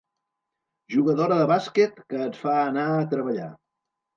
Jugadora de bàsquet que et fa anar a treballar.